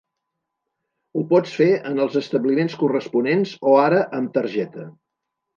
Ho pots fer en els establiments corresponents o ara amb targeta.